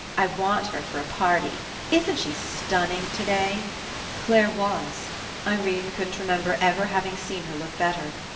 I want her for a party. Isn't she stunning today?" Clare was. Irene couldn't remember ever having seen her look better.